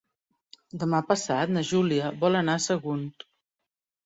Demà passat na Júlia vol anar a Sagunt.